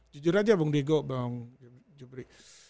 jujur aja bang diego bang jubri